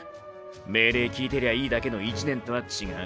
命令きいてりゃいいだけの１年とは違う。